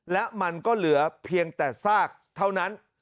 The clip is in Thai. และมันก็เหลือเพียงแต่ซากเท่านั้น